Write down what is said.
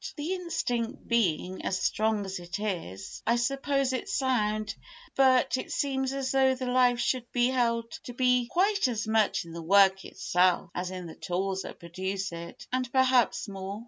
The instinct being as strong as it is, I suppose it sound, but it seems as though the life should be held to be quite as much in the work itself as in the tools that produce it—and perhaps more.